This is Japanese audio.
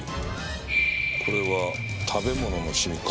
これは食べ物のシミか。